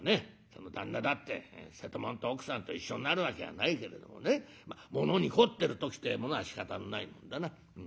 その旦那だって瀬戸物と奥さんと一緒になるわけがないけれどもねものに凝ってる時ってえものはしかたのないもんだな。